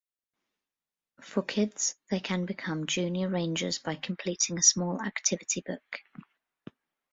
For kids, they can become Junior Rangers by completing a small activity book.